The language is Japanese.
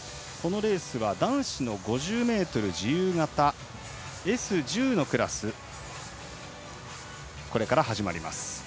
男子５０ｍ自由形Ｓ１０のクラスがこれから始まります。